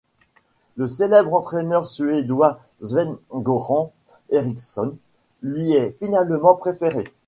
Le célèbre entraîneur suédois Sven-Göran Eriksson lui est finalement préféré.